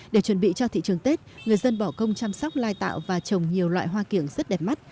để chuẩn bị cho thị trường tết người dân bỏ công chăm sóc lai tạo và trồng nhiều loại hoa kiểng rất đẹp mắt